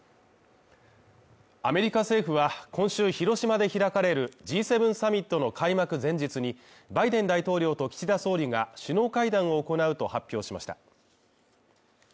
アメリカ政府は今週広島で開かれるＧ７サミットの開幕前日にバイデン大統領と岸田総理が首脳会談を行うと発表しました。